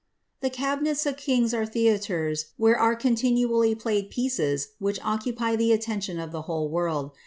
^ The cabinets of kings ai theatres where are continually played pieces which occupy the atteolii) of the whole world.